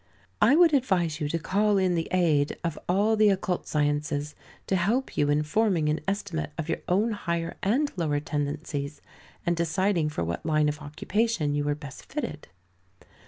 I would advise you to call in the aid of all the occult sciences, to help you in forming an estimate of your own higher and lower tendencies, and in deciding for what line of occupation you were best fitted.